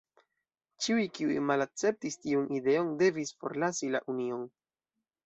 Ĉiuj kiuj malakceptis tiun ideon devis forlasi la union.